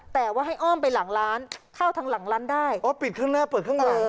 แต่ว่าให้อ้อมไปหลังร้านเข้าทางหลังร้านได้อ๋อปิดข้างหน้าเปิดข้างหลัง